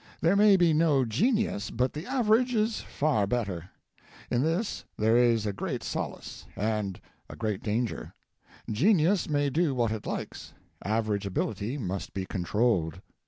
there may be no genius, but the average is far better. In this there is a great solace and a great danger. Genius may do what it likes. Average ability must be controlled.